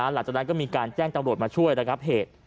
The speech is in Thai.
หลังจากนั้นก็มีการแจ้งตำรวจมาช่วยระงับเหตุ